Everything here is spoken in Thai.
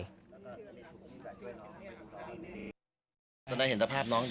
แล้วก็เลยยังคิดว่าจะช่วยน้อง